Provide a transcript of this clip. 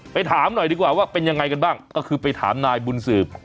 ถามหน่อยดีกว่าว่าเป็นยังไงกันบ้างก็คือไปถามนายบุญสืบ